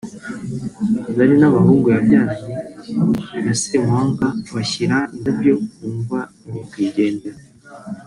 Zari n'abahungu yabyaranye na Ssemwanga bashyira indabyo ku mva ya nyakwigendera